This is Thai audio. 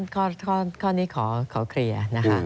ข้อนี้ขอเคลียร์